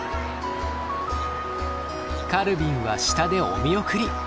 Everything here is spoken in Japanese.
カルビンは下でお見送り。